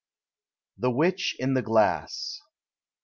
THE WITCH IN THE GLASS.